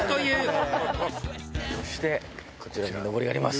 そしてこちらにのぼりがあります。